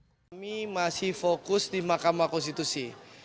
kami masih fokus di mahkamah konstitusi